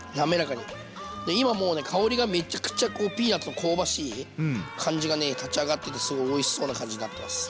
で今もうね香りがめちゃくちゃピーナツの香ばしい感じがね立ち上がっててすごいおいしそうな感じになってます。